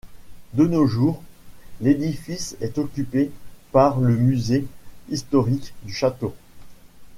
De nos jours, l’édifice est occupé par le musée historique du château.